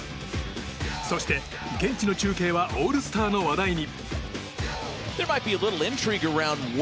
そして現地の中継はオールスターの話題に。